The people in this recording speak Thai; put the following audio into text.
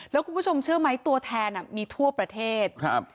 แล้วคุณผู้ชมเชื่อไหมตัวแทนมีทั่วประเทศครับ